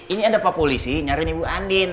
ini ada pak polisi nyariin ibu andin